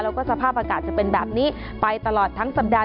แล้วก็สภาพอากาศจะเป็นแบบนี้ไปตลอดทั้งสัปดาห